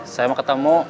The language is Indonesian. saya mau ketemu